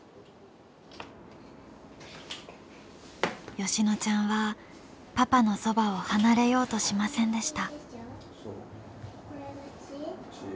美乃ちゃんはパパのそばを離れようとしませんでした。